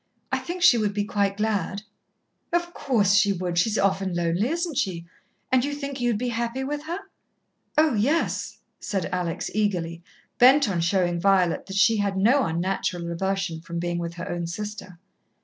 I think she would be quite glad." "Of course she would. She's often lonely, isn't she? And you think you'd be happy with her?" "Oh, yes," said Alex eagerly, bent on showing Violet that she had no unnatural aversion from being with her own sister.